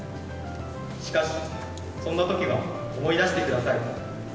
しかし、そんなときは思い出してください。